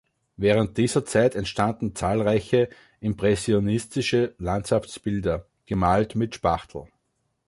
Während dieser Zeit entstanden zahlreiche impressionistische Landschaftsbilder, gemalt mit Spachtel.